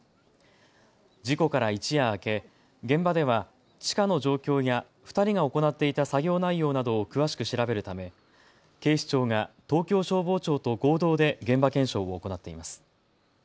事故から一夜明け、現場では地下の状況や２人が行っていた作業内容などを詳しく調べるため警視庁が東京消防庁と合同で現場検証を行っています。